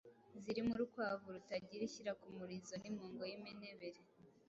zirimo urukwavu rutagira ishyira ku murizo n’impongo y’impenebere,